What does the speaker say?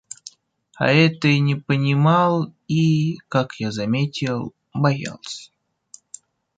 А этой не понимал и, как я заметил, боялся.